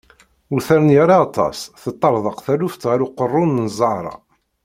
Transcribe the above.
Ur terni ara aṭas, teṭṭarḍaq taluft ɣer uqerrun n Zahra.